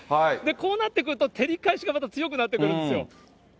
こうなってくると照り返しがまた強くなってくるんですよ。